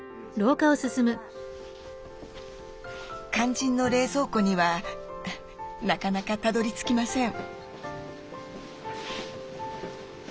肝心の冷蔵庫にはなかなかたどりつきません。